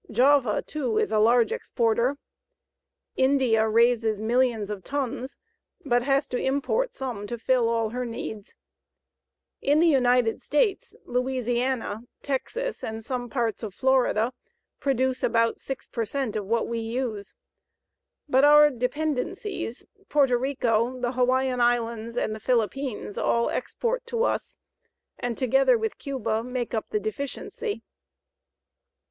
Java, too, is a large exporter. India raises millions of tons but has to import some to fill all her needs. In the United States, Louisiana, Texas, and some parts of Florida produce about 6 per cent of what we use, but our dependencies, Porto Rico, the Hawaiian Islands and the Philippines all export to us, and together with Cuba, make up the deficiency.